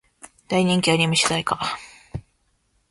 大人気アニメ主題歌